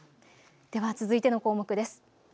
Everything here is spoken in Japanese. では続いての項目です。